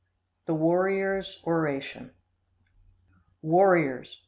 The Warrior's Oration. Warriors!